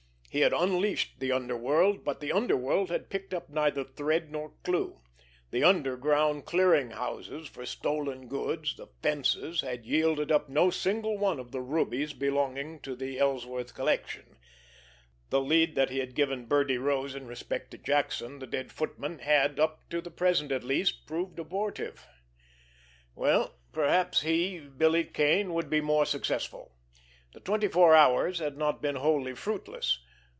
He had unleashed the underworld, but the underworld had picked up neither thread nor clue; the underground clearing houses for stolen goods, the "fences," had yielded up no single one of the rubies belonging to the Ellsworth collection; the lead that he had given Birdie Rose in respect of Jackson, the dead footman, had, up to the present at least, proved abortive. Well, perhaps he, Billy Kane, would be more successful! The twenty four hours had not been wholly fruitless.